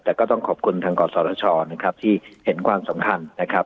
แต่ก็ต้องขอบคุณทางกศชนะครับที่เห็นความสำคัญนะครับ